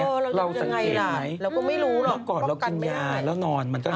เออเราก็ยังไงล่ะเราก็ไม่รู้หรอกปกกันไม่ได้แล้วก่อนเรากินยาแล้วนอนมันก็หาย